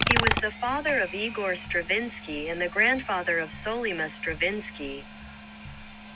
He was the father of Igor Stravinsky and the grandfather of Soulima Stravinsky.